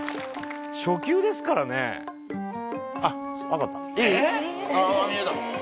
初級ですからね。あっ分かった。